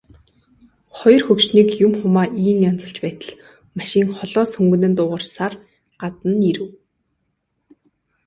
Хоёр хөгшнийг юм хумаа ийн янзалж байтал машин холоос хүнгэнэн дуугарсаар гадна нь ирэв.